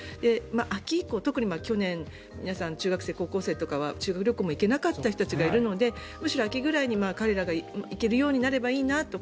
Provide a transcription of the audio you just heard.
秋以降、特に去年皆さん中学生、高校生とかは修学旅行にも行けなかった人たちもいるので今年はむしろ秋くらいに彼らが行けるようになればいいなと。